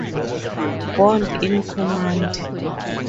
Bond in command.